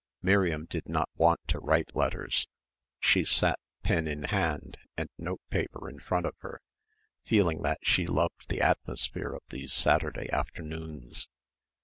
Miriam did not want to write letters. She sat, pen in hand, and note paper in front of her, feeling that she loved the atmosphere of these Saturday afternoons.